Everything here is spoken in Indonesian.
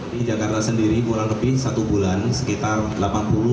di jakarta sendiri kurang lebih satu bulan sekitar delapan puluh sampai dengan sembilan puluh ribu ton